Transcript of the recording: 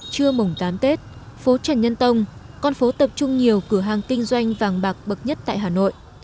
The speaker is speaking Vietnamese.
trưa mùng tám tết phố trần nhân tông con phố tập trung nhiều cửa hàng kinh doanh vàng bạc bậc nhất tại hà nội